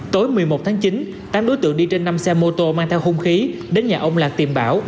tối một mươi một tháng chín tám đối tượng đi trên năm xe mô tô mang theo hung khí đến nhà ông lạc tìm bảo